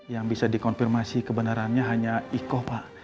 yang bisa dikonfirmasi kebenarannya hanya iko pak